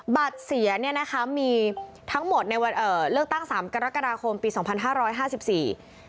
บัตรเสียเนี่ยนะคะมีทั้งหมดในวันเอ่อเลือกตั้งสามกรกฎาคมปีสองพันห้าร้อยห้าสิบสี่